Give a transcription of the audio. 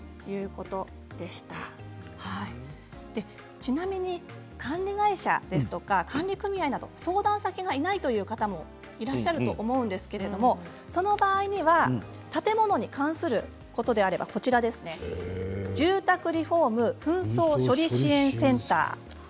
ちなみに管理会社ですとか管理組合など相談先がないという方もいらっしゃると思うんですけれどもその場合には建物に関することであれば住宅リフォーム・紛争処理支援センター